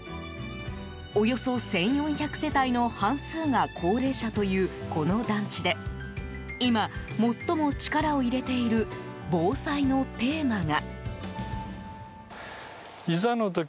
およそ１４００世帯の半数が高齢者という、この団地で今、最も力を入れている防災のテーマが。